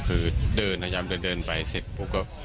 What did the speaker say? คือเดินพยายามจะเดินไปเสร็จปุ๊บก็